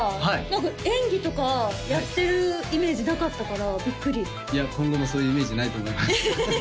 はい何か演技とかやってるイメージなかったからびっくりいや今後もそういうイメージないと思います